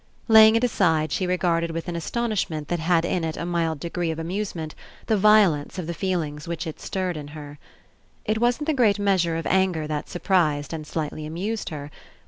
Laying it aside, she regarded with an as tonishment that had in it a mild degree of amusement the violence of the feelings which it stirred in her. It wasn't the great measure of anger that surprised and slightly amused her.